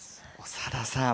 長田さん。